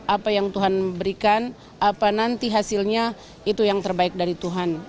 apa yang tuhan memberikan apa nanti hasilnya itu yang terbaik dari tuhan